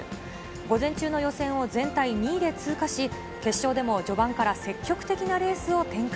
午前中の予選を全体２位で通過し、決勝でも序盤から積極的なレースを展開。